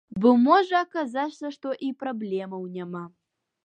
Бо можа аказацца, што і праблемаў няма.